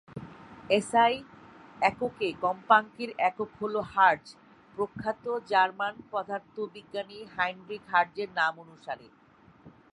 SI এককে কম্পাঙ্কের একক হলো হার্জ, প্রখ্যাত জার্মান পদার্থবিজ্ঞানী হাইনরিখ হার্জের নামানুসারে।